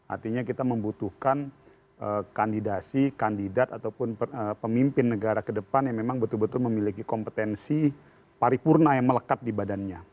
artinya kita membutuhkan kandidasi kandidat ataupun pemimpin negara ke depan yang memang betul betul memiliki kompetensi paripurna yang melekat di badannya